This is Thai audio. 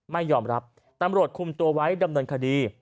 ไม่ยอมรับตำรวจคุมตัวไว้ดำเนินคดี